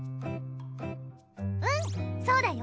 うんそうだよ。